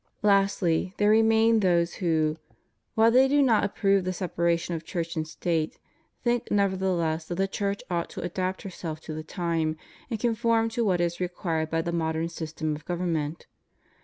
Lastly, there remain those who, while they do not HUMAN LIBERTY. 101 approve the separation of Church and State, think never theless that the Church ought to adapt herself to the times and conform to what is required by the modern system of government.